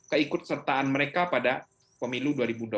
keikut sertaan mereka pada pemilu dua ribu dua puluh